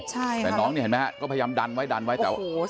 ใช่ครับเนี้ยน้องนี่เห็นไหมก็พยายามดันดันไว้ด้วย